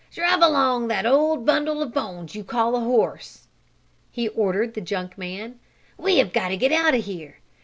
Drive along that old bundle of bones you call a horse!" he ordered the junk man. "We got to get out of here!